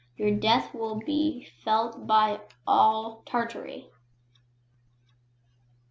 Your death will be felt by all Tartary!"